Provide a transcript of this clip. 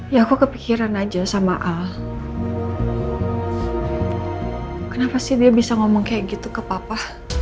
ya aku kepikiran aja sama a kenapa sih dia bisa ngomong kayak gitu ke papa